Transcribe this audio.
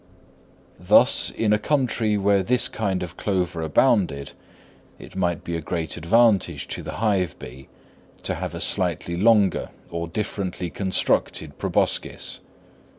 Thus, in a country where this kind of clover abounded, it might be a great advantage to the hive bee to have a slightly longer or differently constructed proboscis.